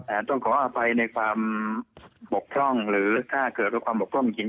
ต้องขออภัยในความบกพร่องหรือถ้าเกิดว่าความบกพร่องจริง